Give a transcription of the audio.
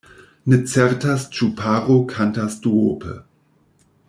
Ne certas ĉu paro kantas duope.